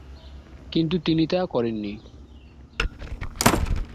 কিন্তু তিনি তা করেননি।